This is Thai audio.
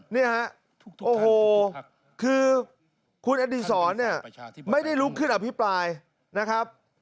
เนี่ยฮะโอ้โหคือคุณอดีศรเนี่ยไม่ได้ลุกขึ้นอภิปรายนะครับ